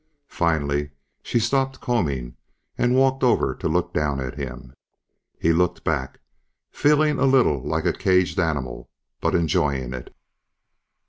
Finally she stopped combing and walked over to look down at him. He looked back, feeling a little like a caged animal but enjoying it.